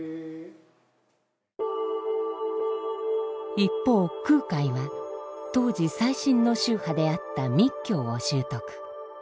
一方空海は当時最新の宗派であった密教を習得。